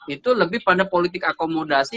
itu lebih pada politik akomodasi